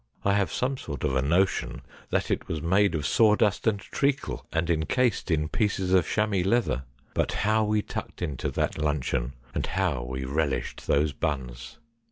I have some sort of notion that it was made of sawdust and treacle, and encased in pieces of chamois leather. But how we tucked into that luncheon, and how we relished those buns